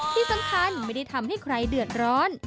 ที่สำคัญไม่ได้ทำให้ใครเดือดร้อน